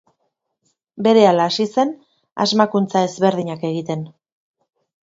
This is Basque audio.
Berehala hasi zen asmakuntza ezberdinak egiten.